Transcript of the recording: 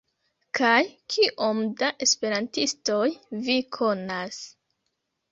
Kaj kiom da esperantistoj vi konas?